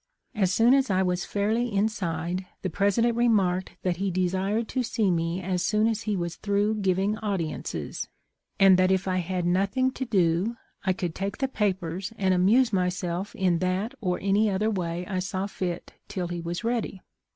As soon as I was fairly inside, the President remarked that he desired to see me as soon as he was through giving audiences, and that if I had nothing to do I could take the papers and amuse myself in that or any other way I saw fit till he was ready.